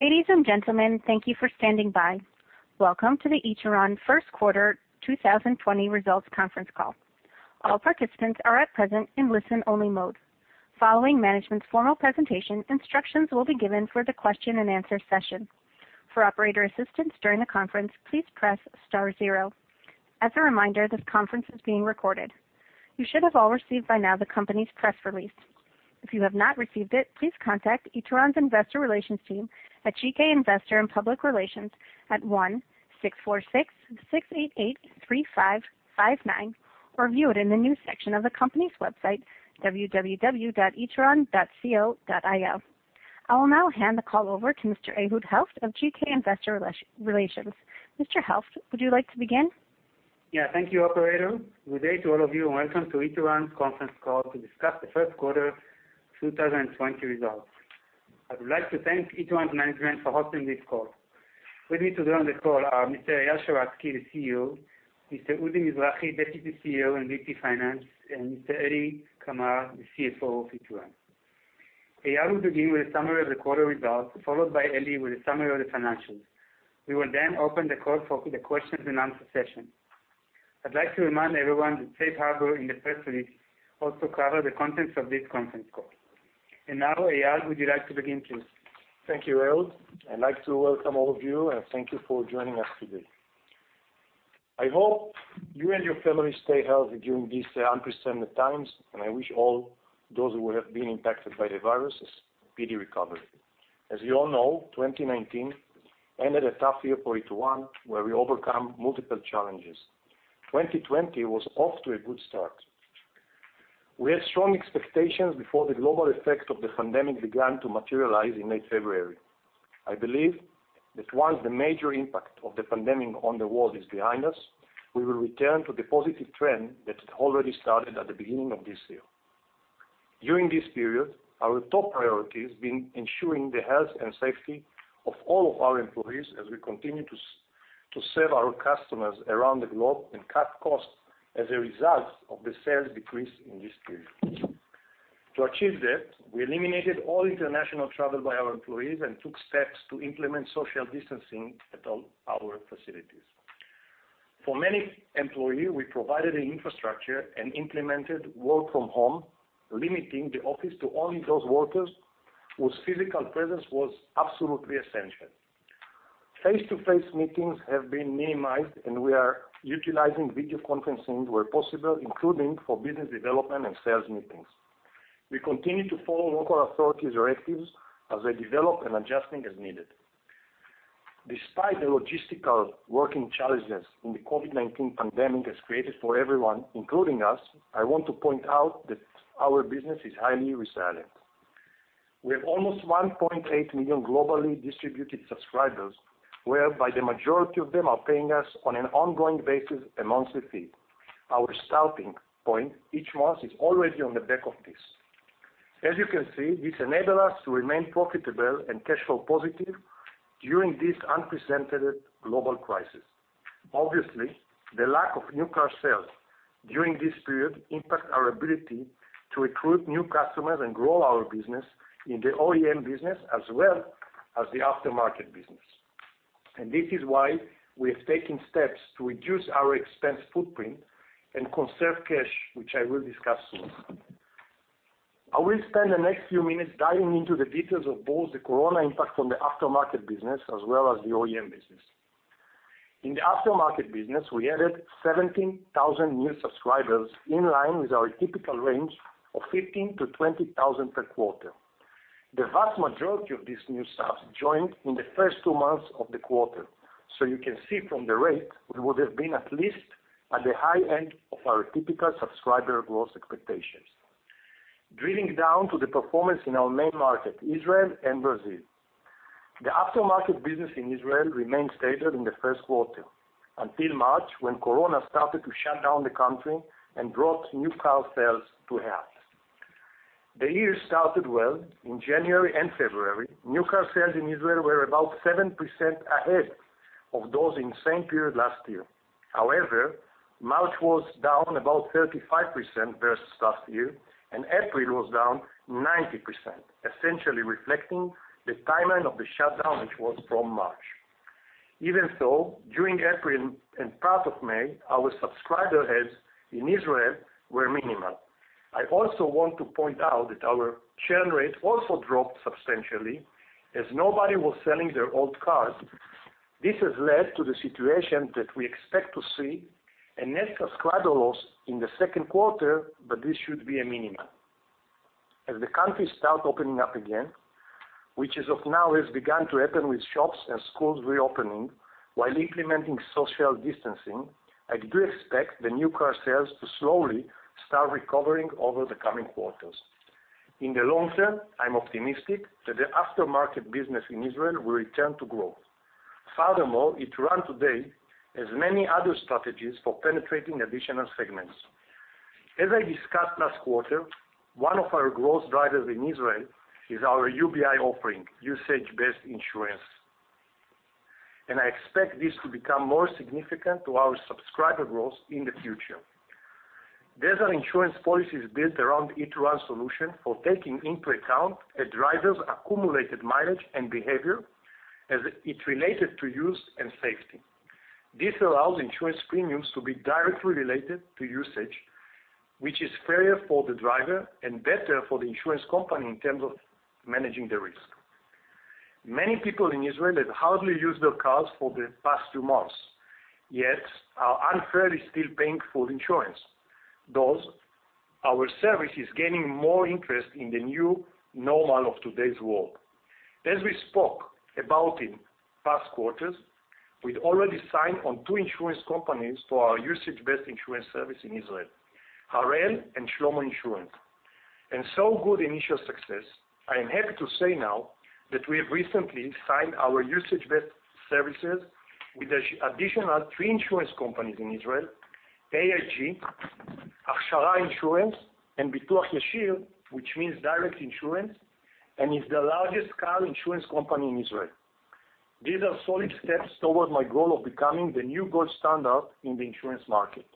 Ladies and gentlemen, thank you for standing by. Welcome to the Ituran Q1 2020 Results Conference Call. All participants are at present in listen-only mode. Following management's formal presentation, instructions will be given for the question and answer session. For operator assistance during the conference, please press star zero. As a reminder, this conference is being recorded. You should have all received by now the company's press release. If you have not received it, please contact Ituran's investor relations team at GK Investor & Public Relations at 1-646-688-3559, or view it in the news section of the company's website, www.ituran.co.il. I will now hand the call over to Mr. Ehud Helft of GK Investor Relations. Mr. Helft, would you like to begin? Yeah, thank you, operator. Good day to all of you, and welcome to Ituran's Conference Call to discuss the Q1 2020 results. I would like to thank Ituran management for hosting this call. With me today on the call are Mr. Eyal Sheratzky, the CEO, Mr. Udi Mizrahi, Deputy CEO and VP Finance, and Mr. Eli Kamer, the CFO of Ituran. Eyal will begin with a summary of the quarter results, followed by Eli with a summary of the financials. We will open the call for the question and answer session. I'd like to remind everyone that safe harbor in the press release also cover the contents of this conference call. Now, Eyal, would you like to begin, please? Thank you, Ehud. I'd like to welcome all of you, and thank you for joining us today. I hope you and your family stay healthy during these unprecedented times, and I wish all those who have been impacted by the virus a speedy recovery. As you all know, 2019 ended a tough year for Ituran, where we overcome multiple challenges. 2020 was off to a good start. We had strong expectations before the global effect of the pandemic began to materialize in late February. I believe that once the major impact of the pandemic on the world is behind us, we will return to the positive trend that had already started at the beginning of this year. During this period, our top priority has been ensuring the health and safety of all of our employees as we continue to serve our customers around the globe and cut costs as a result of the sales decrease in this period. To achieve that, we eliminated all international travel by our employees and took steps to implement social distancing at all our facilities. For many employee, we provided the infrastructure and implemented work from home, limiting the office to only those workers whose physical presence was absolutely essential. Face-to-face meetings have been minimized, and we are utilizing video conferencing where possible, including for business development and sales meetings. We continue to follow local authorities' directives as they develop and adjusting as needed. Despite the logistical working challenges the COVID-19 pandemic has created for everyone, including us, I want to point out that our business is highly resilient. We have almost 1.8 million globally distributed subscribers, whereby the majority of them are paying us on an ongoing basis a monthly fee. Our starting point each month is already on the back of this. As you can see, this enable us to remain profitable and cash flow positive during this unprecedented global crisis. Obviously, the lack of new car sales during this period impact our ability to recruit new customers and grow our business in the OEM business as well as the aftermarket business. This is why we have taken steps to reduce our expense footprint and conserve cash, which I will discuss soon. I will spend the next few minutes diving into the details of both the corona impact on the aftermarket business as well as the OEM business. In the aftermarket business, we added 17,000 new subscribers, in line with our typical range of 15,000-20,000 per quarter. The vast majority of these new subs joined in the first two months of the quarter. You can see from the rate, we would have been at least at the high end of our typical subscriber growth expectations. Drilling down to the performance in our main market, Israel and Brazil. The aftermarket business in Israel remained stable in the Q1 until March, when COVID-19 started to shut down the country and brought new car sales to a halt. The year started well in January and February. New car sales in Israel were about 7% ahead of those in same period last year. March was down about 35% versus last year, and April was down 90%, essentially reflecting the timeline of the shutdown, which was from March. Even so, during April and part of May, our subscriber adds in Israel were minimal. I also want to point out that our churn rate also dropped substantially, as nobody was selling their old cars. This has led to the situation that we expect to see a net subscriber loss in the Q2, but this should be a minimal. As the country start opening up again, which as of now has begun to happen with shops and schools reopening while implementing social distancing, I do expect the new car sales to slowly start recovering over the coming quarters. In the long term, I'm optimistic that the aftermarket business in Israel will return to growth. Furthermore, Ituran today has many other strategies for penetrating additional segments. As I discussed last quarter, one of our growth drivers in Israel is our UBI offering, usage-based insurance. I expect this to become more significant to our subscriber growth in the future. These are insurance policies built around Ituran solution for taking into account a driver's accumulated mileage and behavior, as it related to use and safety. This allows insurance premiums to be directly related to usage, which is fairer for the driver and better for the insurance company in terms of managing the risk. Many people in Israel have hardly used their cars for the past two months, yet are unfairly still paying for insurance. Thus, our service is gaining more interest in the new normal of today's world. As we spoke about in past quarters, we'd already signed on two insurance companies for our usage-based insurance service in Israel, Harel and Shlomo Insurance. Good initial success, I am happy to say now that we have recently signed our usage-based services with additional three insurance companies in Israel, AIG, Hachshara Insurance, and Bituach Yashir, which means direct insurance, and is the largest car insurance company in Israel. These are solid steps towards my goal of becoming the new gold standard in the insurance market.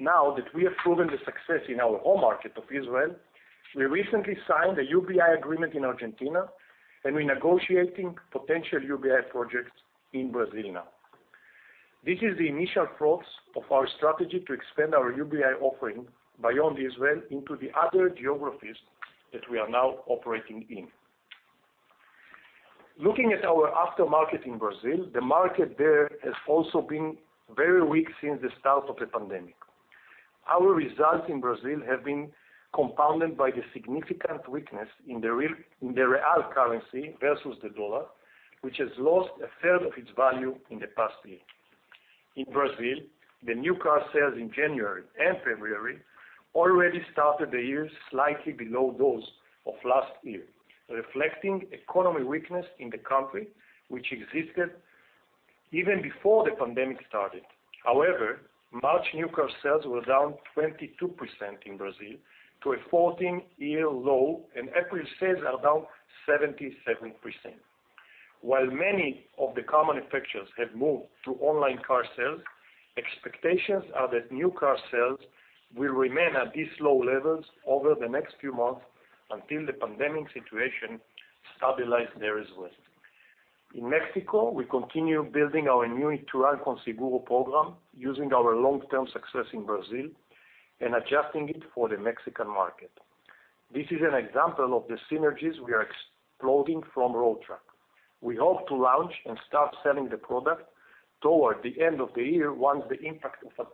Now that we have proven the success in our home market of Israel, we recently signed a UBI agreement in Argentina, and we're negotiating potential UBI projects in Brazil now. This is the initial fruits of our strategy to expand our UBI offering beyond Israel into the other geographies that we are now operating in. Looking at our aftermarket in Brazil, the market there has also been very weak since the start of the pandemic. Our results in Brazil have been compounded by the significant weakness in the real currency versus the dollar, which has lost a third of its value in the past year. In Brazil, the new car sales in January and February already started the year slightly below those of last year, reflecting economy weakness in the country which existed even before the pandemic started. March new car sales were down 22% in Brazil to a 14-year low, and April sales are down 77%. While many of the car manufacturers have moved to online car sales, expectations are that new car sales will remain at these low levels over the next few months until the pandemic situation stabilize there as well. In Mexico, we continue building our new Ituran con Seguro program using our long-term success in Brazil and adjusting it for the Mexican market. This is an example of the synergies we are exploring from Road Track. We hope to launch and start selling the product toward the end of the year once the impact of the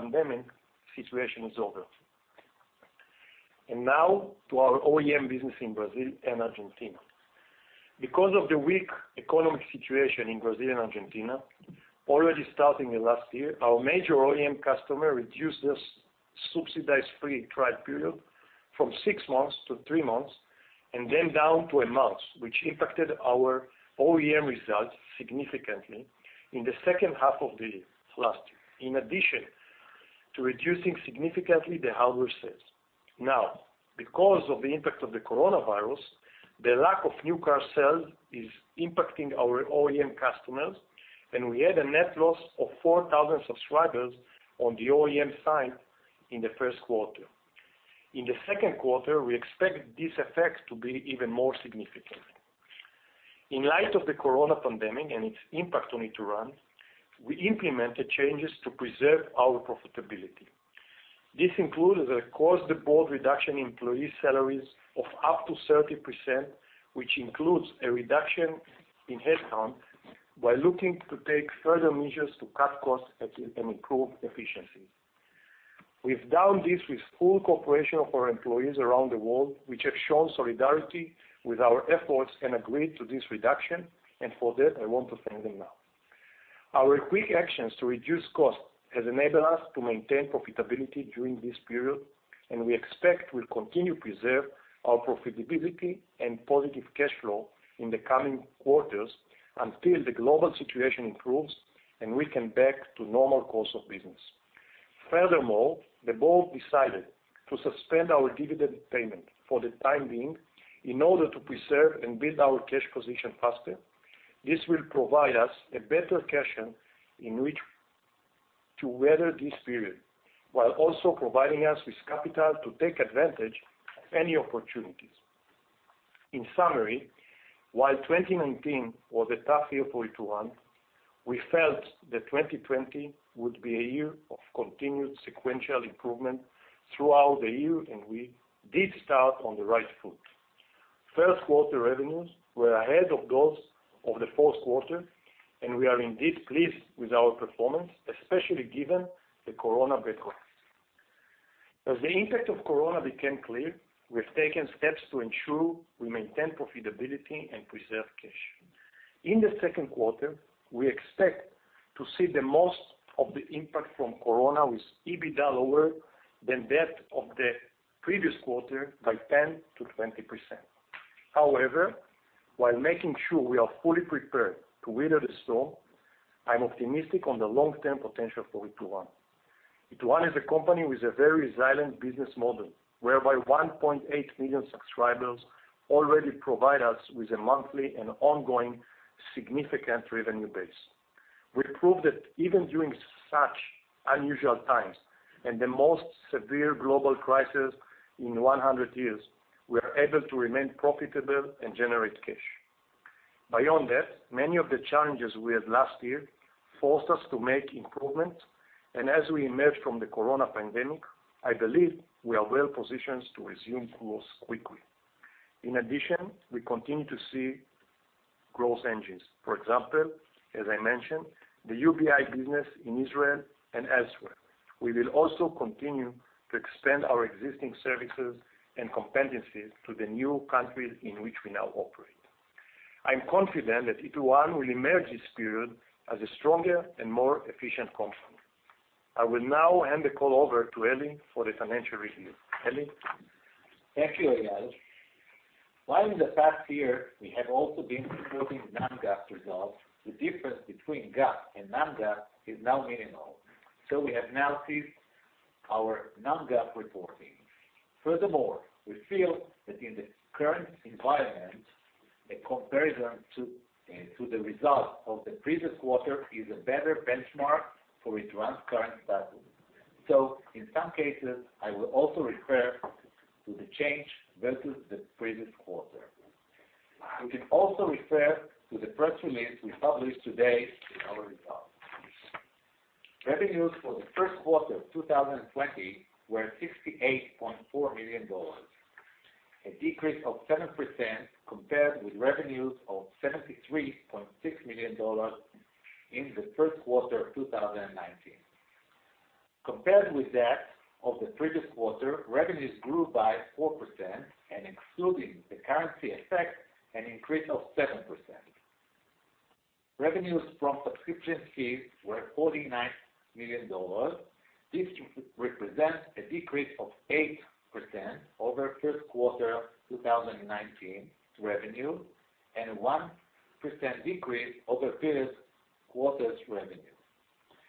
pandemic situation is over. Now to our OEM business in Brazil and Argentina. Because of the weak economic situation in Brazil and Argentina, already starting in last year, our major OEM customer reduced its subsidized free trial period from six months to three months, and then down to a month, which impacted our OEM results significantly in the H2 of the last year, in addition to reducing significantly the hardware sales. Now, because of the impact of the coronavirus, the lack of new car sales is impacting our OEM customers, and we had a net loss of 4,000 subscribers on the OEM side in Q1. In Q2, we expect this effect to be even more significant. In light of the corona pandemic and its impact on Ituran, we implemented changes to preserve our profitability. This included, across the board, reduction in employee salaries of up to 30%, which includes a reduction in headcount, while looking to take further measures to cut costs and improve efficiency. We've done this with full cooperation of our employees around the world, which have shown solidarity with our efforts and agreed to this reduction, and for that, I want to thank them now. Our quick actions to reduce costs has enabled us to maintain profitability during this period, and we expect we'll continue to preserve our profitability and positive cash flow in the coming quarters until the global situation improves and we can back to normal course of business. Furthermore, the board decided to suspend our dividend payment for the time being in order to preserve and build our cash position faster. This will provide us a better cushion in which to weather this period, while also providing us with capital to take advantage of any opportunities. In summary, while 2019 was a tough year for Ituran, we felt that 2020 would be a year of continued sequential improvement throughout the year, and we did start on the right foot. Q1 revenues were ahead of those of Q4, and we are indeed pleased with our performance, especially given the corona backgrounds. As the impact of corona became clear, we have taken steps to ensure we maintain profitability and preserve cash. In Q2, we expect to see the most of the impact from corona, with EBITDA lower than that of the previous quarter by 10%-20%. While making sure we are fully prepared to weather the storm, I'm optimistic on the long-term potential for Ituran. Ituran is a company with a very resilient business model, whereby 1.8 million subscribers already provide us with a monthly and ongoing significant revenue base. We proved that even during such unusual times, and the most severe global crisis in 100 years, we are able to remain profitable and generate cash. Beyond that, many of the challenges we had last year forced us to make improvements, and as we emerge from the corona pandemic, I believe we are well-positioned to resume growth quickly. In addition, we continue to see growth engines. For example, as I mentioned, the UBI business in Israel and elsewhere. We will also continue to expand our existing services and competencies to the new countries in which we now operate. I'm confident that Ituran will emerge this period as a stronger and more efficient company. I will now hand the call over to Eli for the financial review. Eli? Thank you, Eyal. In the past year, we have also been reporting non-GAAP results, the difference between GAAP and non-GAAP is now minimal, so we have now ceased our non-GAAP reporting. Furthermore, we feel that in the current environment, a comparison to the result of the previous quarter is a better benchmark for Ituran's current status. In some cases, I will also refer to the change versus the previous quarter. You can also refer to the press release we published today with our results. Revenues for the Q1 of 2020 were $68.4 million, a decrease of 7% compared with revenues of $73.6 million in the Q1 of 2019. Compared with that of the previous quarter, revenues grew by 4%, and excluding the currency effect, an increase of 7%. Revenues from subscription fees were $49 million. This represents a decrease of 8% over Q1 2019 revenue and 1% decrease over previous quarter's revenue.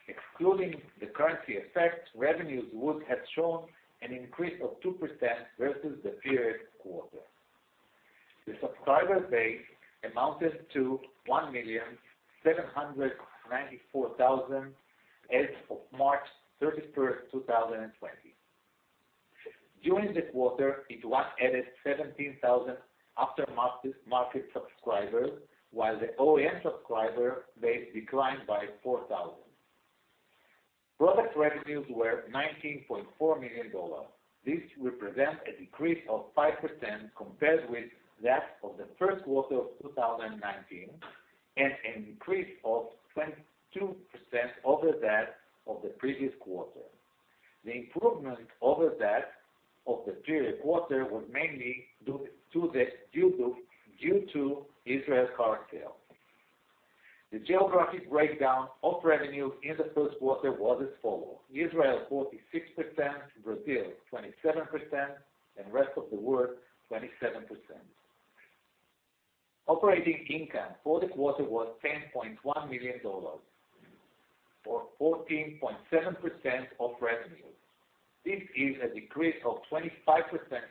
Excluding the currency effect, revenues would have shown an increase of 2% versus the prior quarter. The subscriber base amounted to 1,794,000 as of March 31st, 2020. During the quarter, Ituran added 17,000 after-market subscribers, while the OEM subscriber base declined by 4,000. Product revenues were $19.4 million. This represents a decrease of 5% compared with that of the Q1 of 2019, and an increase of 22% over that of the previous quarter. The improvement over that of the prior quarter was mainly due to Israel's car fleet. The geographic breakdown of revenue in Q1 was as follows, Israel, 46%, Brazil, 27%, and rest of the world, 27%. Operating income for the quarter was $10.1 million, or 14.7% of revenue. This is a decrease of 25%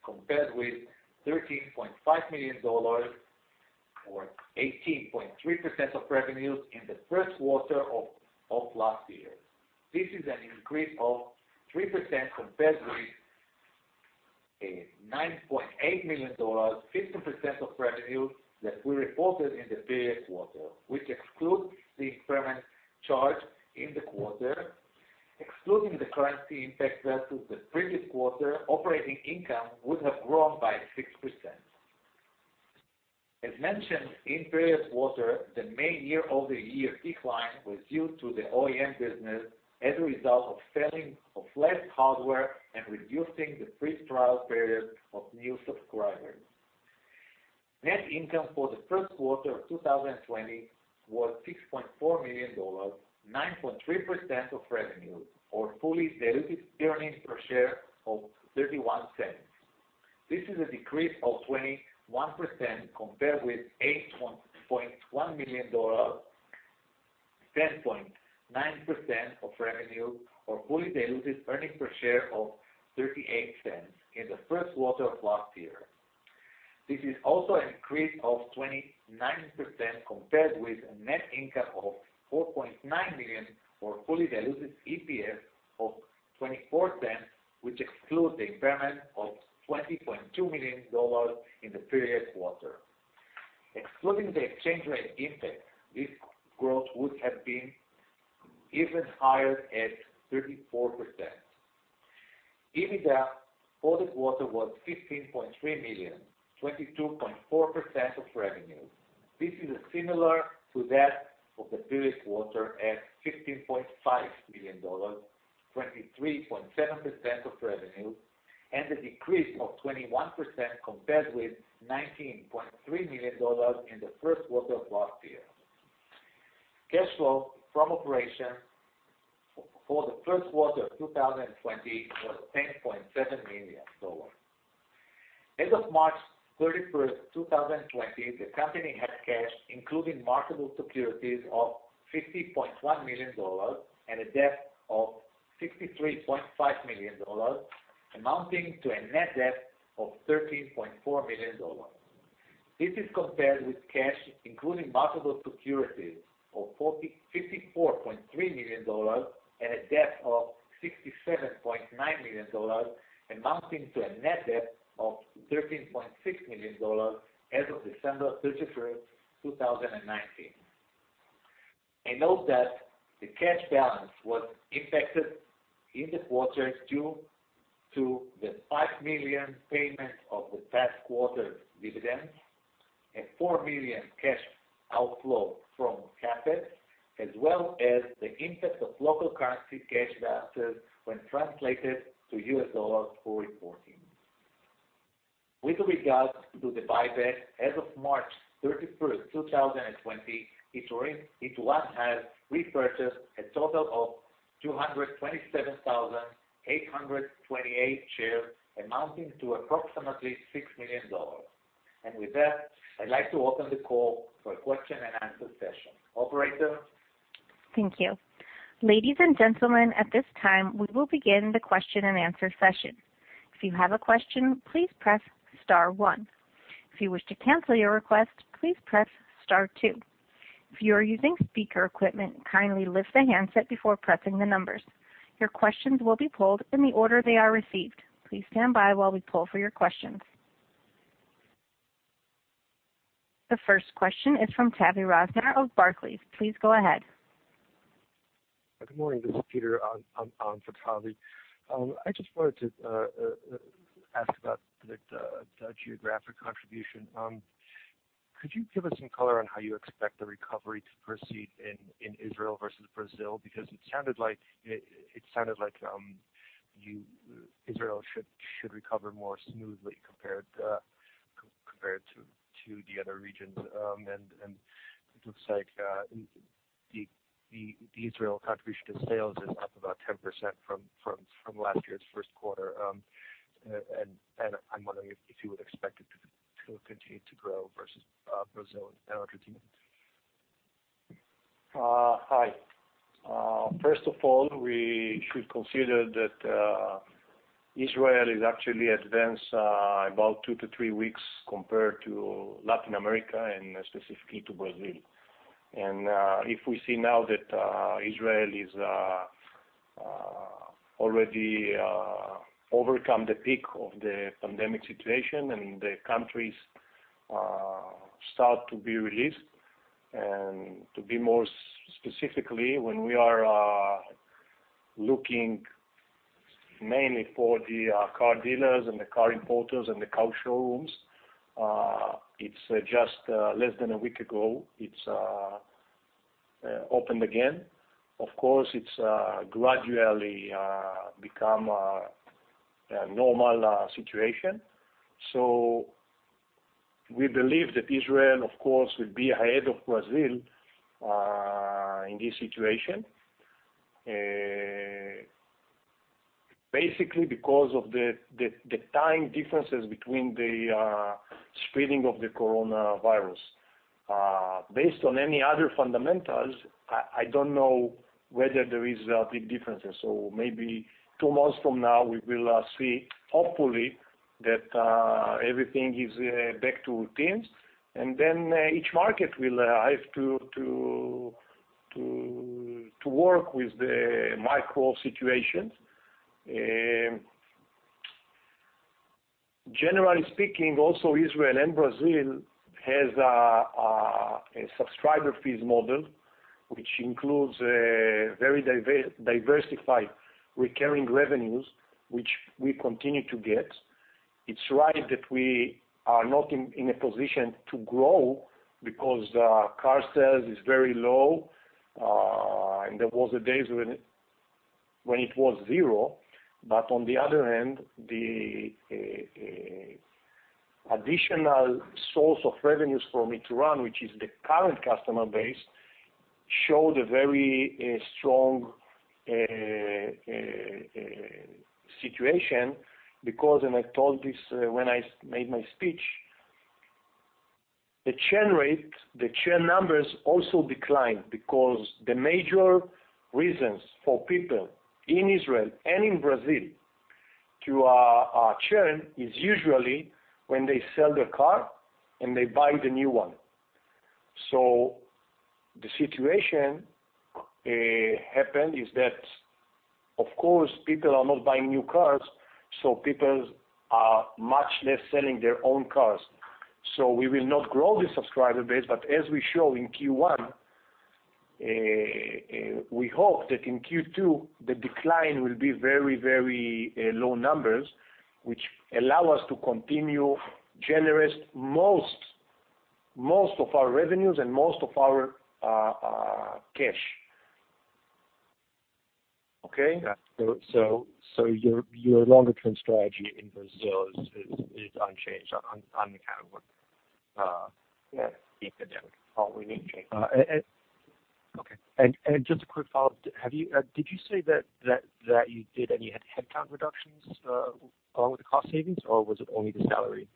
compared with $13.5 million or 18.3% of revenues in the Q1 of last year. This is an increase of 3% compared with a $9.8 million, 15% of revenue that we reported in the previous quarter, which excludes the impairment charge in the quarter. Excluding the currency impact versus the previous quarter, operating income would have grown by 6%. As mentioned in previous quarter, the main year-over-year decline was due to the OEM business as a result of selling of less hardware and reducing the free trial period of new subscribers. Net income for the Q1 of 2020 was $6.4 million, 9.3% of revenue, or fully diluted earnings per share of $0.31. This is a decrease of 21% compared with $8.1 million, 10.9% of revenue, or fully diluted earnings per share of $0.38 in the Q1 of last year. This is also an increase of 29% compared with a net income of $4.9 million or fully diluted EPS of $0.24, which excludes the impairment of $20.2 million in the previous quarter. Excluding the exchange rate impact, this growth would have been even higher at 34%. EBITDA for the quarter was $15.3 million, 22.4% of revenue. This is similar to that of the previous quarter at $15.5 million, 23.7% of revenue, and a decrease of 21% compared with $19.3 million in the Q1 of last year. Cash flow from operations for the Q1 of 2020 was $10.7 million. As of March 31, 2020, the company had cash, including marketable securities, of $50.1 million and a debt of $63.5 million, amounting to a net debt of $13.4 million. This is compared with cash, including marketable securities of $54.3 million and a debt of $67.9 million, amounting to a net debt of $13.6 million as of December 31st, 2019. A note that the cash balance was impacted in the quarter due to the $5 million payment of the past quarter's dividends, a $4 million cash outflow from CapEx, as well as the impact of local currency cash balances when translated to U.S. dollars for reporting. With regards to the buyback, as of March 31st, 2020, Ituran has repurchased a total of 227,828 shares, amounting to approximately $6 million. With that, I'd like to open the call for a question and answer session. Operator? Thank you. Ladies and gentlemen, at this time, we will begin the question and answer session. If you have a question, please press star one. If you wish to cancel your request, please press star two. If you are using speaker equipment, kindly lift the handset before pressing the numbers. Your questions will be pulled in the order they are received. Please stand by while we pull for your questions. The first question is from Tavy Rosner of Barclays. Please go ahead. Good morning. This is Peter on for Tavy. I just wanted to ask about the geographic contribution. Could you give us some color on how you expect the recovery to proceed in Israel versus Brazil? Because it sounded like Israel should recover more smoothly compared to the other regions. It looks like the Israel contribution to sales is up about 10% from last year's Q1. I'm wondering if you would expect it to continue to grow versus Brazil and Argentina. Hi. First of all, we should consider that Israel is actually advanced about two to three weeks compared to Latin America and specifically to Brazil. If we see now that Israel is already overcome the peak of the pandemic situation, and the country starts to be released, and to be more specifically, when we are looking mainly for the car dealers and the car importers and the car showrooms, it's just less than a week ago, it's opened again. Of course, it's gradually become a normal situation. We believe that Israel, of course, will be ahead of Brazil in this situation. Basically, because of the time differences between the spreading of the coronavirus. Based on any other fundamentals, I don't know whether there is a big difference. Maybe two months from now, we will see, hopefully, that everything is back to routines, then each market will have to work with the micro situations. Generally speaking, also Israel and Brazil has a subscriber fees model, which includes a very diversified recurring revenues, which we continue to get. It's right that we are not in a position to grow because car sales is very low, there was a days when it was zero. On the other hand, the additional source of revenues for Ituran, which is the current customer base, showed a very strong situation because, and I told this when I made my speech, the churn rate, the churn numbers also declined because the major reasons for people in Israel and in Brazil to churn is usually when they sell their car, and they buy the new one. The situation happened is that, of course, people are not buying new cars, so people are much less selling their own cars. We will not grow the subscriber base, but as we show in Q1, we hope that in Q2, the decline will be very low numbers, which allow us to continue generate most of our revenues and most of our cash. Okay? Yeah. Your longer-term strategy in Brazil is unchanged on account of what? The pandemic, all we need to change. Okay. Just a quick follow-up, did you say that you did any headcount reductions along with the cost savings, or was it only the salary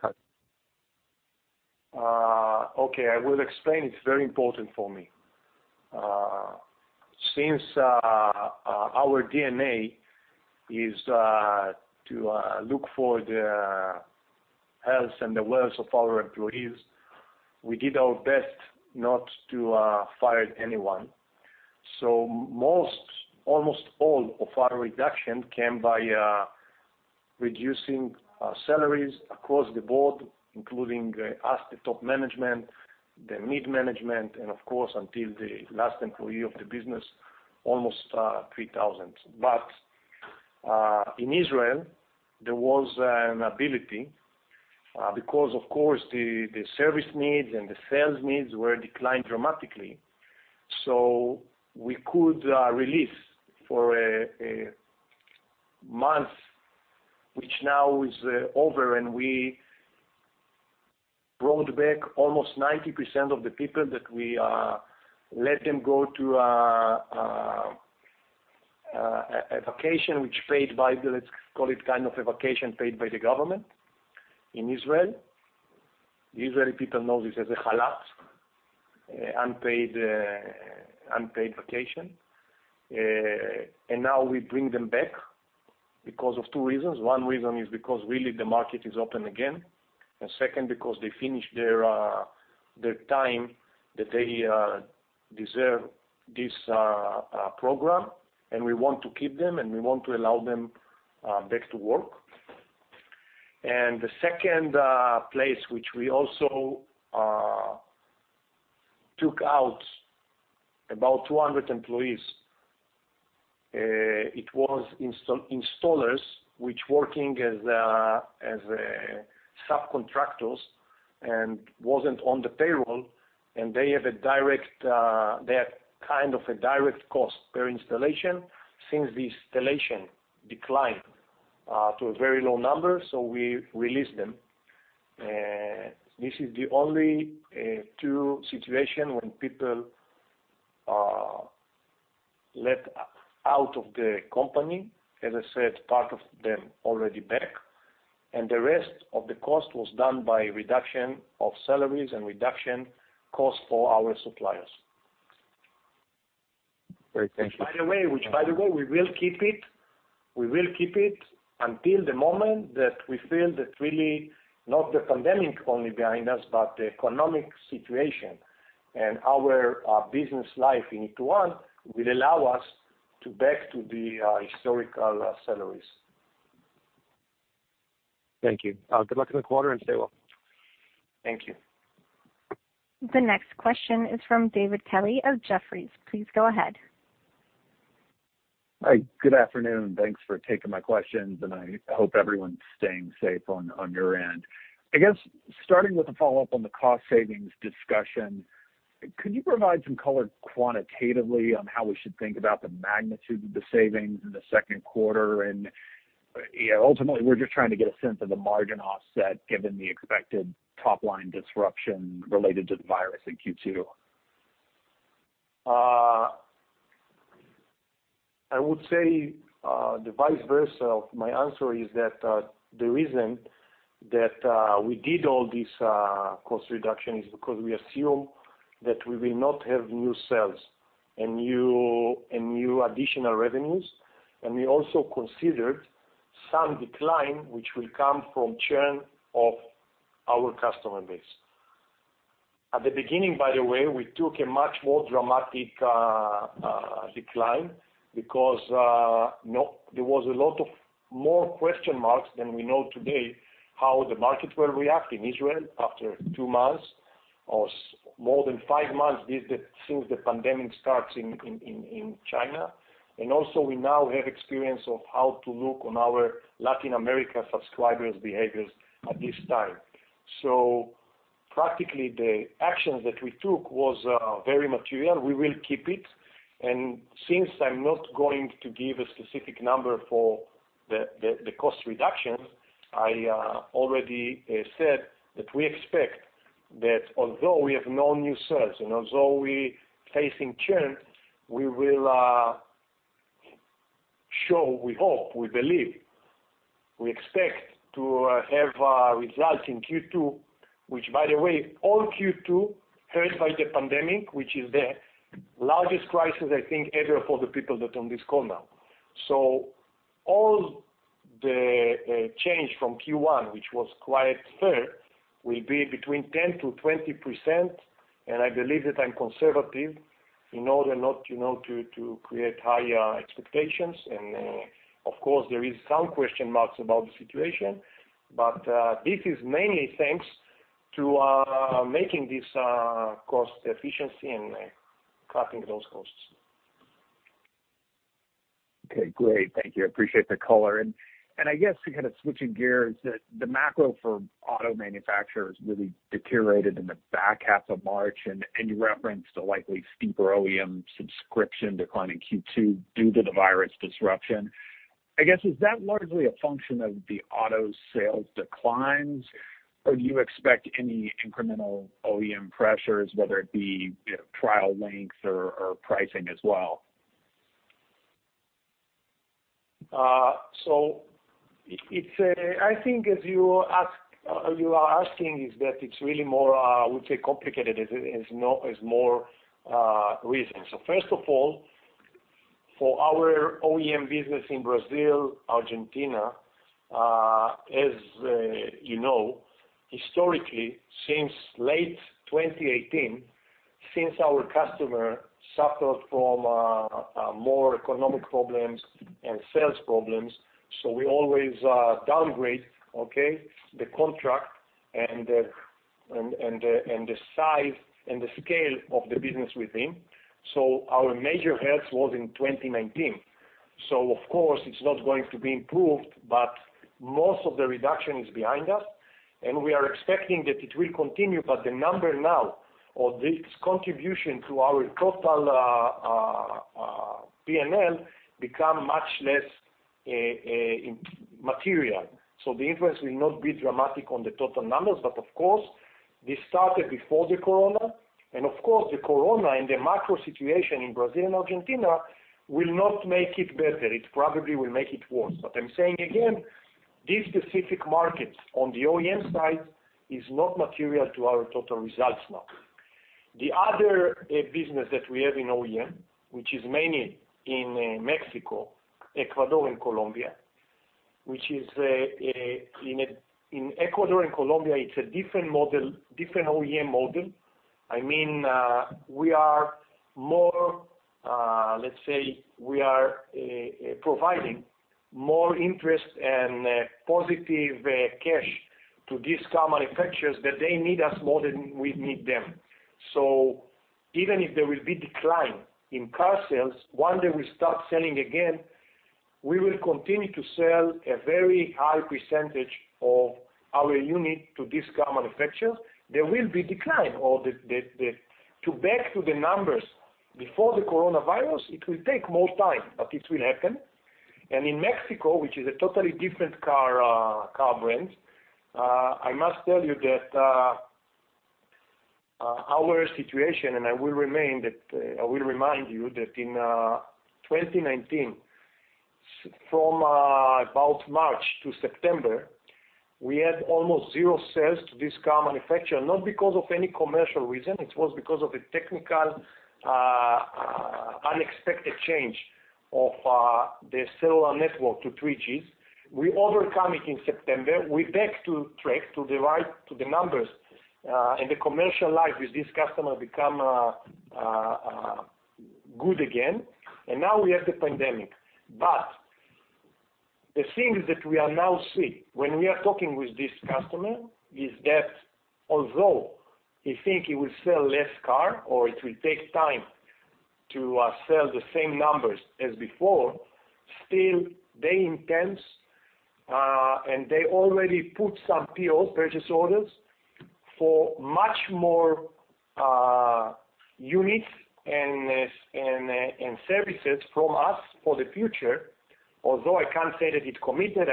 cut? I will explain. It's very important for me. Since our DNA is to look for the health and the wealth of our employees, we did our best not to fire anyone. Almost all of our reduction came by reducing salaries across the board, including us, the top management, the mid management, and of course, until the last employee of the business, almost 3,000. In Israel, there was an ability, because, of course, the service needs and the sales needs were declined dramatically. We could release for a month, which now is over, and we brought back almost 90% of the people that we let them go to a vacation, which paid by, let's call it kind of a vacation paid by the government in Israel. The Israeli people know this as a Chalat, unpaid vacation. Now we bring them back because of two reasons. One reason is because really the market is open again, and second, because they finished their time that they deserve this program, and we want to keep them, and we want to allow them back to work. The second place, which we also took out about 200 employees, it was installers, which working as subcontractors and wasn't on the payroll, and they have kind of a direct cost per installation since the installation declined to a very low number, so we released them. This is the only two situation when people are let out of the company. As I said, part of them already back, and the rest of the cost was done by reduction of salaries and reduction cost for our suppliers. Great. Thank you. Which, by the way, we will keep it until the moment that we feel that really not the pandemic only behind us, but the economic situation and our business life in Ituran will allow us to back to the historical salaries. Thank you. Good luck in the quarter, and stay well. Thank you. The next question is from David Kelley of Jefferies. Please go ahead. Hi, good afternoon. Thanks for taking my questions, and I hope everyone's staying safe on your end. I guess starting with a follow-up on the cost savings discussion, could you provide some color quantitatively on how we should think about the magnitude of the savings in Q2? Ultimately, we're just trying to get a sense of the margin offset, given the expected top-line disruption related to the virus in Q2. I would say the vice versa of my answer is that the reason that we did all these cost reduction is because we assume that we will not have new sales and new additional revenues. We also considered some decline, which will come from churn of our customer base. At the beginning, by the way, we took a much more dramatic decline because there was a lot of more question marks than we know today how the market will react in Israel after two months or more than five months since the pandemic starts in China. Also, we now have experience of how to look on our Latin America subscribers' behaviors at this time. Practically, the actions that we took was very material. We will keep it. Since I'm not going to give a specific number for the cost reduction, I already said that we expect that although we have no new sales, and although we facing churn, we will show, we hope, we believe, we expect to have a result in Q2, which, by the way, all Q2, hurt by the pandemic, which is the largest crisis, I think, ever for the people that on this call now. All the change from Q1, which was quite fair, will be between 10%-20%, and I believe that I'm conservative in order not to create high expectations. Of course, there is some question marks about the situation, but this is mainly thanks to making this cost efficiency and cutting those costs. Okay, great. Thank you. I appreciate the color. I guess, kind of switching gears, the macro for auto manufacturers really deteriorated in the back half of March, and you referenced a likely steeper OEM subscription decline in Q2 due to the virus disruption. I guess, is that largely a function of the auto sales declines, or do you expect any incremental OEM pressures, whether it be trial length or pricing as well? I think as you are asking is that it's really more, I would say, complicated. It's more reasons. First of all, for our OEM business in Brazil, Argentina, as you know, historically, since late 2018, since our customer suffered from more economic problems and sales problems, so we always downgrade the contract and the size and the scale of the business with him. Our major hits was in 2019. Of course, it's not going to be improved, but most of the reduction is behind us, and we are expecting that it will continue, but the number now or this contribution to our total P&L become much less material. The influence will not be dramatic on the total numbers. Of course, this started before the corona, and of course, the corona and the macro situation in Brazil and Argentina will not make it better. It probably will make it worse. I'm saying again, these specific markets on the OEM side is not material to our total results now. The other business that we have in OEM, which is mainly in Mexico, Ecuador, and Colombia. In Ecuador and Colombia, it's a different OEM model. I mean, let's say we are providing more interest and positive cash to these car manufacturers that they need us more than we need them. Even if there will be decline in car sales, one day we start selling again, we will continue to sell a very high percentage of our unit to these car manufacturers. There will be decline. To back to the numbers before the coronavirus, it will take more time, but it will happen, and in Mexico, which is a totally different car brand, I must tell you that our situation, and I will remind you that in 2019, from about March to September, we had almost zero sales to this car manufacturer, not because of any commercial reason. It was because of a technical unexpected change of the cellular network to 3G. We overcome it in September. We're back to track to the right, to the numbers, and the commercial life with this customer become good again. Now we have the pandemic. The things that we are now see when we are talking with this customer is that although he think he will sell less car or it will take time to sell the same numbers as before, still they intend, and they already put some POs, purchase orders, for much more units and services from us for the future. Although I can't say that it's committed,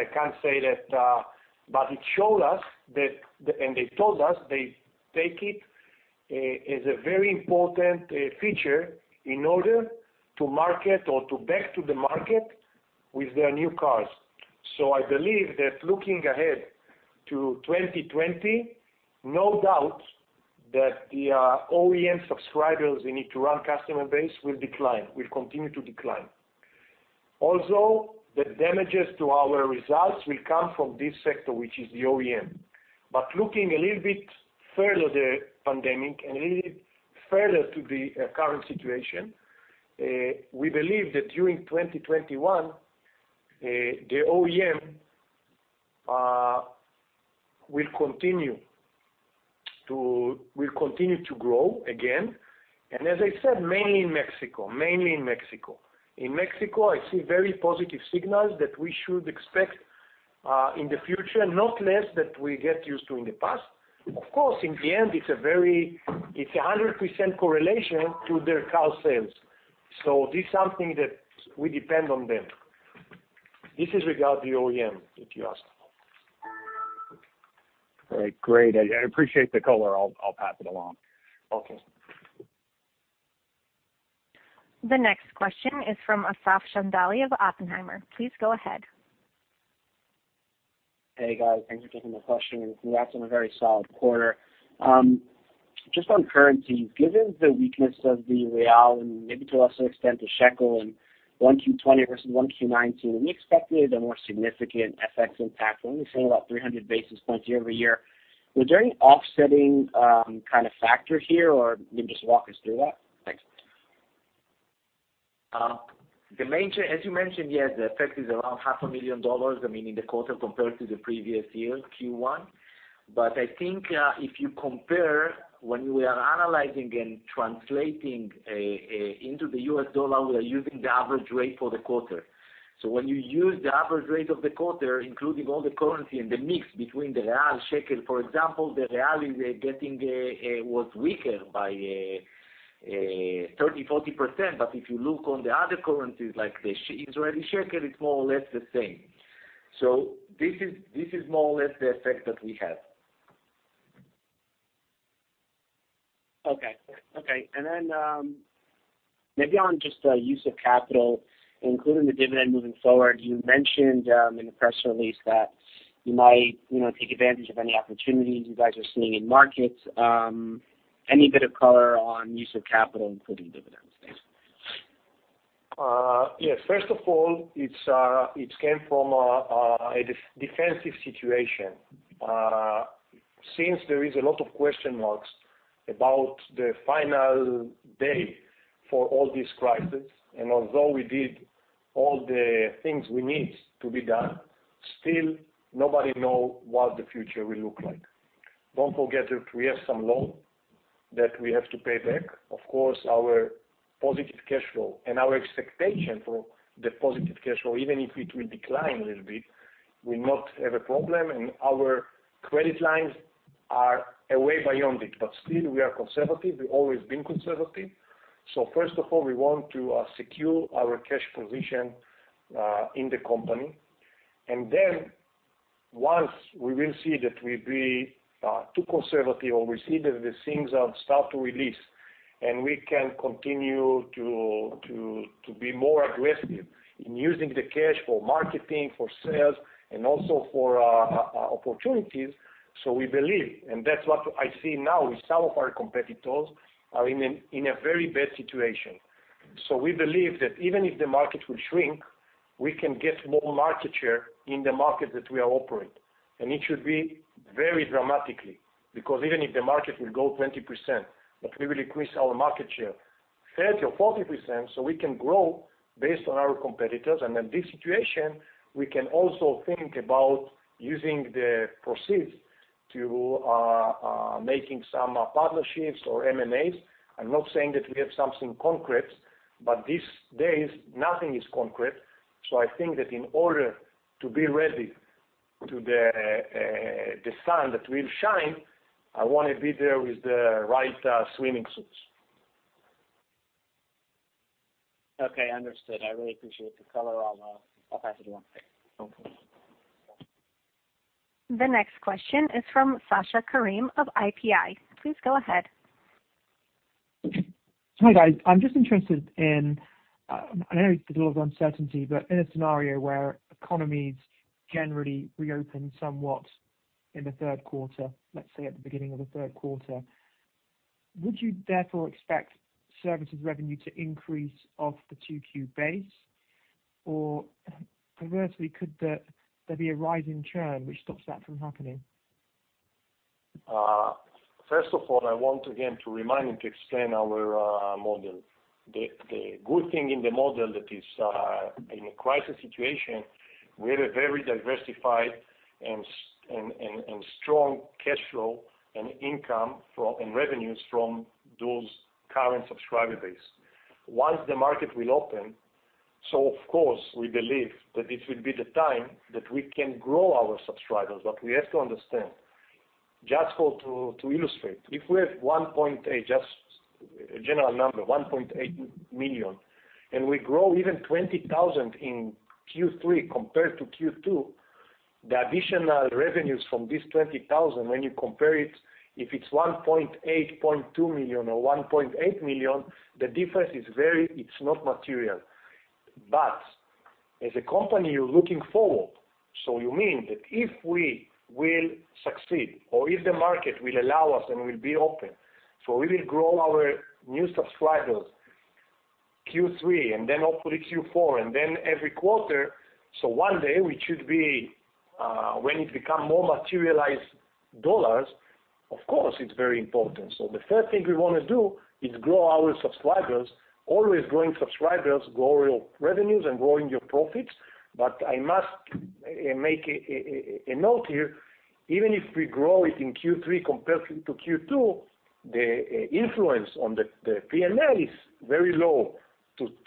but it showed us that, and they told us they take it as a very important feature in order to market or to back to the market with their new cars. I believe that looking ahead to 2020, no doubt that the OEM subscribers in Ituran customer base will decline, will continue to decline. Also, the damages to our results will come from this sector, which is the OEM. Looking a little bit further the pandemic and a little bit further to the current situation, we believe that during 2021, the OEM will continue to grow again, and as I said, mainly in Mexico. In Mexico, I see very positive signals that we should expect in the future, not less that we get used to in the past. Of course, in the end, it's 100% correlation to their car sales. This something that we depend on them. This is regard to the OEM that you asked about. All right, great. I appreciate the color. I'll pass it along. Okay. The next question is from Asaf Chandali of Oppenheimer. Please go ahead. Hey, guys. Thanks for taking my question. Congrats on a very solid quarter. Just on currency, given the weakness of the real and maybe to also extend the shekel and 1Q20 versus 1Q19, we expected a more significant FX impact. I think you're saying about 300 basis points year-over-year. Was there any offsetting factor here, or can you just walk us through that? Thanks. As you mentioned, yes, the effect is around half a million dollars, I mean, in the quarter compared to the previous year Q1. I think if you compare when we are analyzing and translating into the U.S. dollar, we are using the average rate for the quarter. When you use the average rate of the quarter, including all the currency and the mix between the Real, Shekel, for example, the Real getting was weaker by 30%-40%, but if you look on the other currencies, like the Israeli Shekel, it is more or less the same. This is more or less the effect that we have. Okay. Then maybe on just use of capital, including the dividend moving forward, you mentioned in the press release that you might take advantage of any opportunities you guys are seeing in markets. Any bit of color on use of capital, including dividends? Thanks. Yes. First of all, it came from a defensive situation. Since there is a lot of question marks about the final day for all these crises, and although we did all the things we need to be done, still nobody knows what the future will look like. Don't forget that we have some loan that we have to pay back. Of course, our positive cash flow and our expectation for the positive cash flow, even if it will decline a little bit, will not have a problem, and our credit lines are way beyond it, but still we are conservative. We've always been conservative. First of all, we want to secure our cash position in the company. Once we will see that we'll be too conservative, or we see that the things have start to release, and we can continue to be more aggressive in using the cash for marketing, for sales, and also for opportunities. We believe, and that's what I see now, is some of our competitors are in a very bad situation. We believe that even if the market will shrink, we can get more market share in the market that we operate. It should be very dramatically, because even if the market will go 20%, but we will increase our market share 30% or 40%, so we can grow based on our competitors. In this situation, we can also think about using the proceeds to making some partnerships or M&A. I'm not saying that we have something concrete, but these days nothing is concrete. I think that in order to be ready to the sun that will shine, I want to be there with the right swimming suits. Okay, understood. I really appreciate the color on that particular one. Okay. The next question is from Sasha Karim of IPI. Please go ahead. Hi, guys. I'm just interested in, I know there's a lot of uncertainty, but in a scenario where economies generally reopen somewhat in Q3, let you say at the beginning of Q3, would you therefore expect services revenue to increase off the Q2 base? Conversely, could there be a rise in churn which stops that from happening? First of all, I want again to remind and to explain our model. The good thing in the model that is in a crisis situation, we have a very diversified and strong cash flow and income and revenues from those current subscriber base. Once the market will open, of course, we believe that this will be the time that we can grow our subscribers. We have to understand, just to illustrate, if we have, just a general number, 1.8 million, and we grow even 20,000 in Q3 compared to Q2, the additional revenues from this 20,000, when you compare it, if it's 1.8 million, 1.2 million or 1.8 million, the difference is not material. As a company, you're looking forward. You mean that if we will succeed or if the market will allow us and will be open, we will grow our new subscribers Q3 and then hopefully Q4, and then every quarter, one day when it become more materialized dollars, of course, it's very important. The first thing we want to do is grow our subscribers, always growing subscribers, grow your revenues, and growing your profits. I must make a note here, even if we grow it in Q3 compared to Q2, the influence on the P&L is very low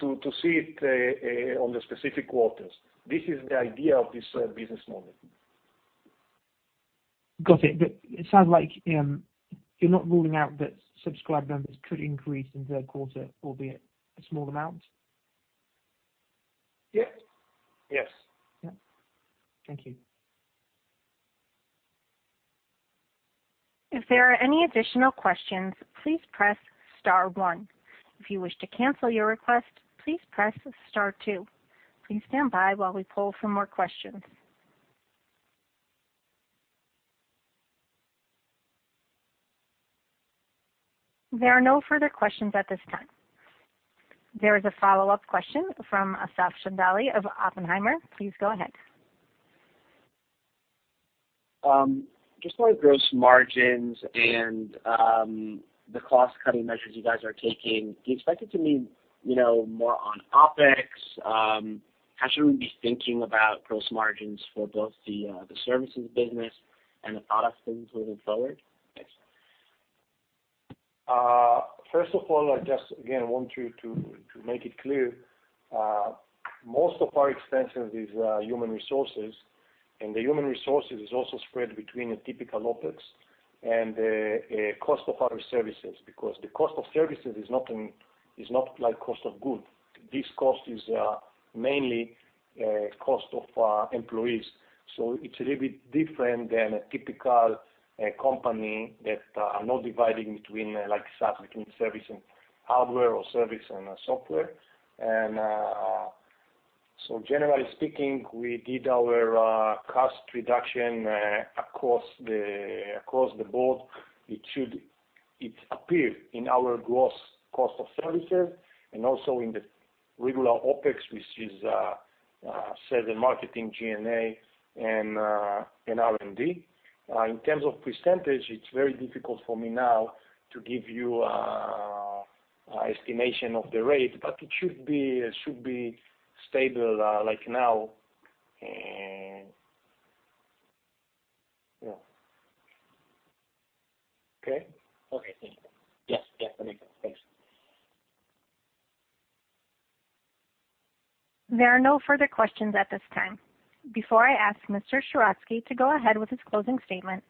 to see it on the specific quarters. This is the idea of this business model. Got it. It sounds like you're not ruling out that subscriber numbers could increase in Q3, albeit a small amount? Yes. Yep. Thank you. If there are any additional questions, please press star one. If you wish to cancel your request, please press star two. Please stand by while we pull for more questions. There are no further questions at this time. There is a follow-up question from Asaf Chandali of Oppenheimer. Please go ahead. Just on gross margins and the cost-cutting measures you guys are taking, do you expect it to be more on OpEx? How should we be thinking about gross margins for both the services business and the product business moving forward? Thanks. First of all, I just, again, want you to make it clear, most of our expenses is human resources, and the human resources is also spread between a typical OpEx and the cost of our services, because the cost of services is not like cost of goods. This cost is mainly cost of employees. It's a little bit different than a typical company that are not dividing between like SaaS, between service and hardware or service and software. Generally speaking, we did our cost reduction across the board. It appeared in our gross cost of services and also in the regular OpEx, which is sales and marketing, G&A, and R&D. In terms of percentage, it's very difficult for me now to give you estimation of the rate, but it should be stable like now. Yeah. Okay? Okay, thank you. Yes. Yeah, very good. Thanks. There are no further questions at this time. Before I ask Mr. Sheratzky to go ahead with his closing statement,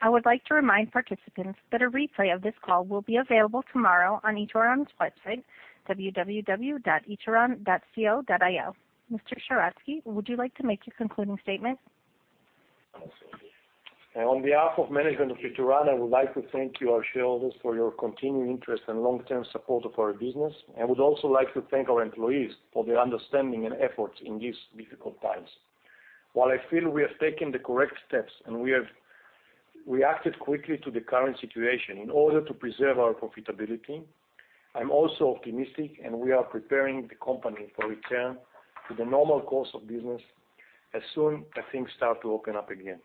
I would like to remind participants that a replay of this call will be available tomorrow on Ituran's website, www.ituran.co.il. Mr. Sheratzky, would you like to make your concluding statement? On behalf of management of Ituran, I would like to thank you, our shareholders, for your continued interest and long-term support of our business, and would also like to thank our employees for their understanding and efforts in these difficult times. While I feel we have taken the correct steps and we have reacted quickly to the current situation in order to preserve our profitability, I'm also optimistic, and we are preparing the company for return to the normal course of business as soon as things start to open up again.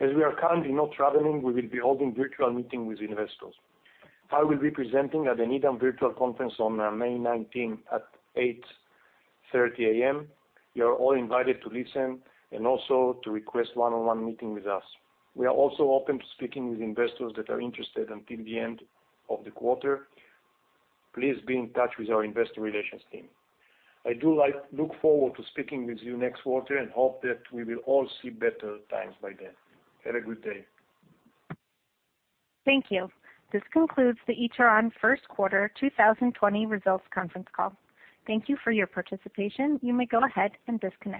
As we are currently not traveling, we will be holding virtual meeting with investors. I will be presenting at the Needham Virtual Conference on May 19 at 8:30 A.M. You are all invited to listen and also to request one-on-one meeting with us. We are also open to speaking with investors that are interested until the end of the quarter. Please be in touch with our investor relations team. I do look forward to speaking with you next quarter and hope that we will all see better times by then. Have a good day. Thank you. This concludes the Ituran Q1 2020 Results Conference Call. Thank you for your participation. You may go ahead and disconnect.